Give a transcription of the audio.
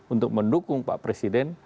untuk mendukung pak presiden